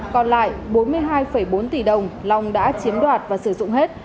còn lại bốn mươi hai bốn tỷ đồng long đã chiếm đoạt và sử dụng hết